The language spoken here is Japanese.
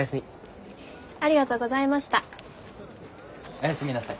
おやすみなさい。